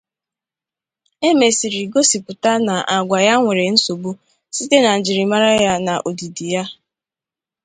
Emesiri gosipụta na agwa ya nwere nsogbu site na njirimara ya na odidi ya.